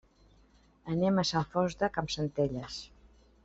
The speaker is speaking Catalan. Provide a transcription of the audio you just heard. Anem a Sant Fost de Campsentelles.